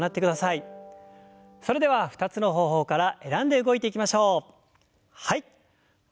それでは２つの方法から選んで動いていきましょう。